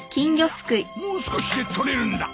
いいやもう少しで取れるんだ。